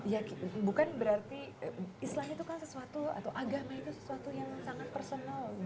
ya bukan berarti istilahnya itu kan sesuatu atau agama itu sesuatu yang sangat personal